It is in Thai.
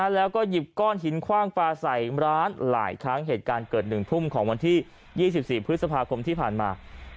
แล้วก็หยิบก้อนหินคว่างปลาใส่ร้านหลายครั้งเหตุการณ์เกิด๑ทุ่มของวันที่๒๔พฤษภาคมที่ผ่านมา